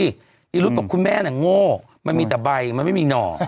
อีรุธบอกคุณแม่น่ะโง่มันมีแต่ใบมันไม่มีหน่อ